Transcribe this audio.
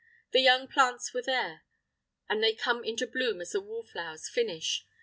The young plants were there, and they come into bloom as the wallflowers finish.